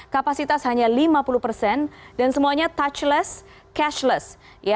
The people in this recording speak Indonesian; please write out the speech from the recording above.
kapasitas hanya lima puluh persen dan semuanya touchless cashless